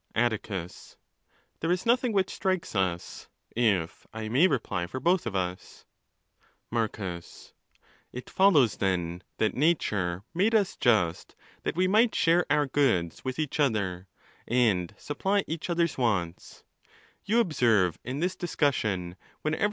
Atticus.—There is nothing which strikes us, if I may reply for both of us. _ XII. Marcus.—It follows, then, that nature made us just that we might share our goods with each other, and supply each other's wants, You observe in this discussion, whenever ON THE LAWS.